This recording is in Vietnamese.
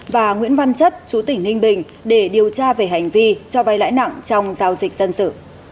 và nguyễn văn chất chú tỉnh ninh bình để điều tra về hành vi cho vay lãi nặng trong giao dịch dân sự